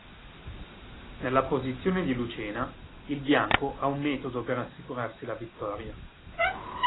Nella posizione di Lucena, il Bianco ha un metodo per assicurarsi la vittoria.